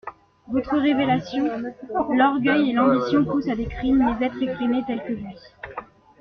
Votre révélation … L'orgueil et l'ambition poussent à des crimes les êtres effrénés tels que lui.